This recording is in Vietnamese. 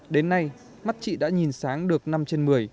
đến nay mắt chị đã nhìn sáng được năm trên một mươi